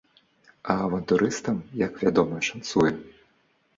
А авантурыстам, як вядома, шанцуе.